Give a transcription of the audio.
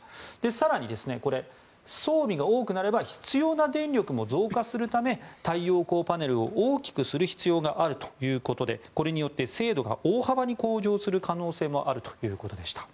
更に、装備が多くなれば必要な電力も増加するため太陽光パネルを大きくする必要があるということでこれによって精度が大幅に向上する可能性もあるということでした。